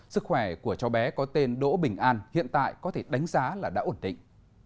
sức khỏe của cháu bé có tên đỗ bình an hiện tại có thể đánh giá là đã ổn định